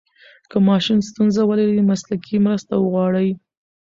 که ماشوم ستونزه لري، مسلکي مرسته وغواړئ.